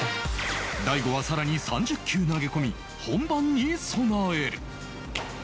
大悟は更に３０球投げ込み本番に備える